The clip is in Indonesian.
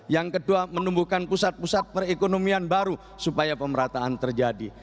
yang kedua menumbuhkan pusat pusat perekonomian baru supaya pemerataan terjadi